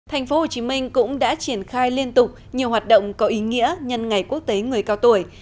thành phố hồ chí minh cũng đã triển khai liên tục nhiều hoạt động có ý nghĩa nhân ngày quốc tế người cao tuổi